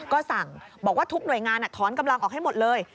ก็สั่งบอกว่าทุกหน่วยงานถอนกำลังออกให้หมดเลย